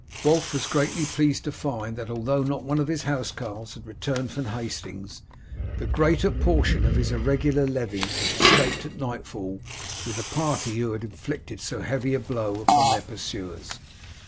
Wulf was greatly pleased to find that, although not one of his housecarls had returned from Hastings, the greater portion of his irregular levies had escaped at nightfall with the party who had inflicted so heavy a blow upon their pursuers.